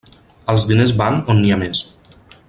Els diners van on n'hi ha més.